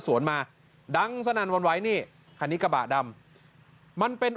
สวนมาดังสนั่นวันไหวนี่คันนี้กระบะดำมันเป็น